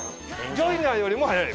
ジョイナーよりも速い？